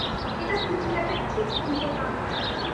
এটা কিডন্যাপের ঠিক উল্টোটা।